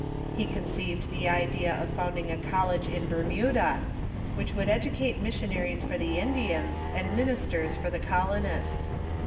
lie conceived the idea of found ing a college in Bermuda, which would educate missionaries for the Indians and ministers for the colonists.